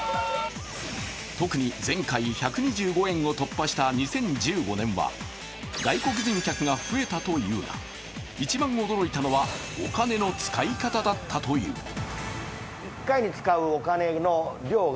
特に前回１２５円を突破した２０１５年は、外国人客が増えたというが一番驚いたのはお金の使い方だったという。